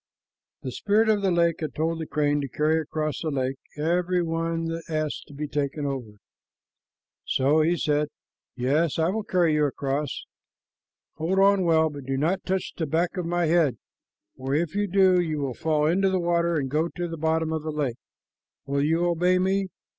The spirit of the lake had told the crane to carry across the lake every one that asked to be taken over; so he said, "Yes, I will carry you across. Hold on well, but do not touch the back of my head, for if you do, you will fall into the water and go to the bottom of the lake. Will you obey me?"